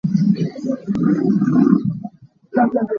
Ka pa nih a kan liam tak cang.